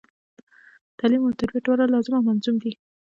تعلم او تربیه دواړه لاظم او ملظوم دي.